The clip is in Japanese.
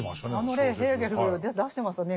あの例ヘーゲル出してますよね